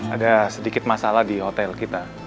ada sedikit masalah di hotel kita